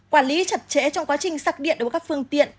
quản lý chặt chẽ trong quá trình sạc điện đối với các phương tiện